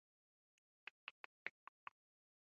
خاوره د افغانستان د ښکلي طبیعت یوه مهمه برخه ده.